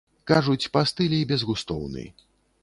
Кажуць, па стылі безгустоўны.